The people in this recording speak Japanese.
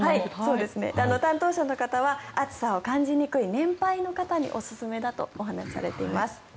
担当者の方は暑さを感じにくい年配の方におすすめだとお話しされています。